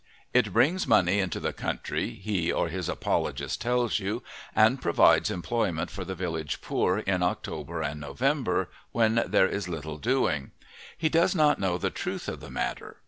It brings money into the country, he or his apologist tells you, and provides employment for the village poor in October and November, when there is little doing. He does not know the truth of the matter.